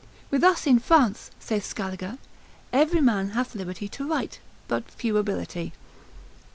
With us in France, saith Scaliger, every man hath liberty to write, but few ability.